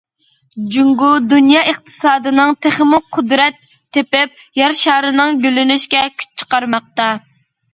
جۇڭگو دۇنيا ئىقتىسادىنىڭ تېخىمۇ قۇدرەت تېپىپ، يەر شارىنىڭ گۈللىنىشىگە كۈچ چىقارماقتا.